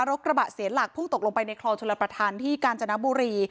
รถกระบะเสียหลักพุ่งตกลงไปในคลองชลประธานที่กาญจนบุรี